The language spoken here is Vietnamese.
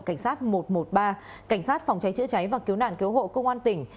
cảnh sát một trăm một mươi ba cảnh sát phòng cháy chữa cháy và cứu nạn cứu hộ công an tỉnh